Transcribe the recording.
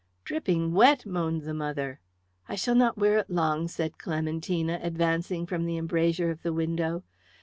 "Dripping wet!" moaned the mother. "I shall not wear it long," said Clementina, advancing from the embrasure of the window.